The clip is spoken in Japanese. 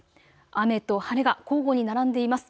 雨と晴れが交互に並んでいます。